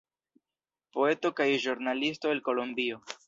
Poeto kaj ĵurnalisto el Kolombio.